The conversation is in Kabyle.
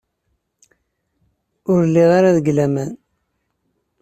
Ur lliɣ ara deg laman.